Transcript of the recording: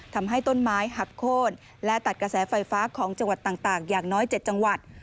ทำให้ต้นไม้หักโค้นและตัดกระแสไฟฟ้าของจังหวัดต่างอย่างน้อย๗จังหวัด